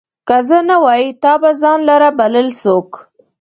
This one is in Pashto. که زه نه وای، تا به ځان لره بلل څوک